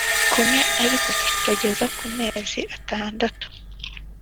kumwe ariko kitageza ku mezi atandatu